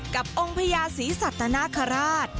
กับองค์พญาศรีสัตนาคาราช